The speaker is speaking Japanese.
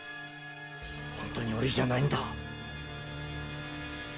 本当に俺じゃないんだ！